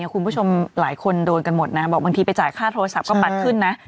คุณผู้ชมหลายคนโดนกันหมดนะบอกบางทีไปจ่ายค่าโทรศัพท์ก็ปัดขึ้นนะ